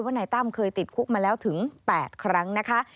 นายตั้มเคยติดคุกมาแล้วถึง๘ครั้งนะคะ